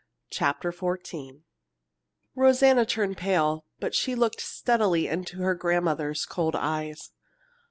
CHAPTER XIV Rosanna turned pale, but she looked steadily into her grandmother's cold eyes.